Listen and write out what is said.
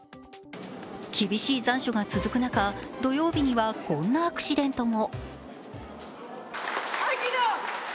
厳しい残暑が続く中、土曜日にはこんなアクシデントも。